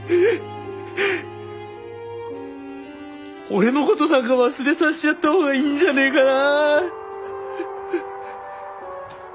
俺のことなんか忘れさせちゃった方がいいんじゃねえかな。